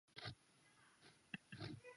其他事迹待考。